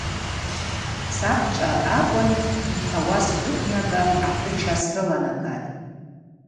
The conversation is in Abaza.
Саквчӏватӏ акӏвын – йпауа сджвыквнаган ахӏвыча срыланагатӏ.